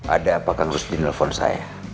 ada apa kan harus di nelfon saya